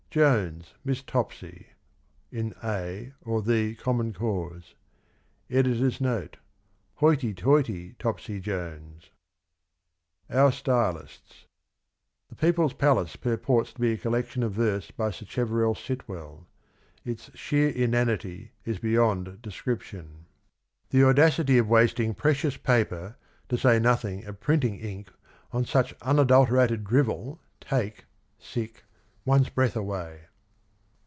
— ^Jones (Miss Topsy) in A (or The) Common Cause. [Editor's Note. — Hoity toity, Topsy Jones !] Our Stylists The People's Palace purports to be a collection of verse by Sacheverell Sitwell. Its sheer inanity is beyond description. The audacity of wasting precious paper, to say nothing of printing ink, on such unadulterated drivel take {sic) one's breath away."